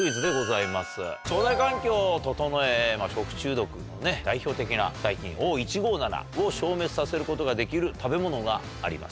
腸内環境を整え食中毒の代表的な細菌Ｏ１５７を消滅させることができる食べ物があります